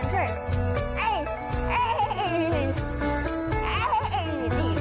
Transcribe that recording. ขยะขนหวังน่ะ